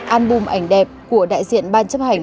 album ảnh đẹp của đại diện ban chấp hành